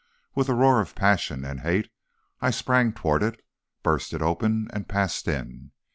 With a roar of passion and hate I sprang toward it, burst it open, and passed in.